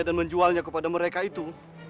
dan menjualnya kepada mereka itu